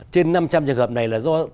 trên năm trăm linh trường hợp này là do